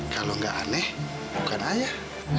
kalau nggak aneh bukan ayah